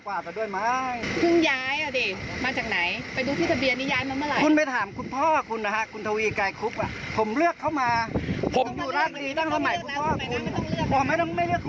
เพราะว่าคุณมาที่นี่แล้วคุณมาทำความเดือดร้อนให้กับประชาชน